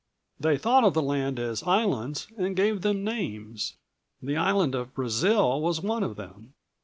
They thought of the land as islands and gave them names. The island of Brazil was one of them.